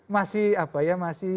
masih apa ya masih